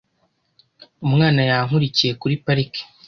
Umwana yankurikiye kuri parike .